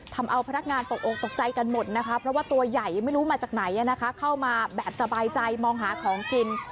ทำเอาพนักงานตกออกตกใจกันหมดนะคะเพราะว่าตัวใหญ่ไม่รู้มาจากไหนเข้ามาแบบสบายใจมองหาของกิน